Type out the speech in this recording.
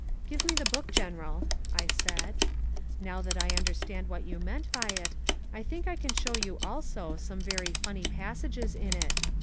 "Give me the book, General," I said. "Now that I understand what you meant by it, I think I can show you also some very funny passages in it.